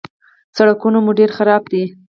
_سړکونه مو ډېر خراب دي.